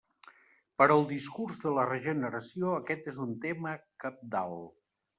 Per al discurs de la regeneració aquest és un tema cabdal.